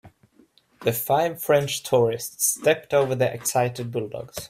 The five French tourists stepped over the excited bulldogs.